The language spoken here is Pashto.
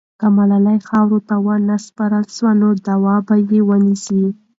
که ملالۍ خاورو ته ونه سپارل سي، نو دعا به یې ونسي.